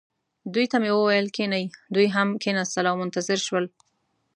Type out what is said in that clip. دوی ته مې وویل: کښینئ. دوی هم کښېنستل او منتظر شول.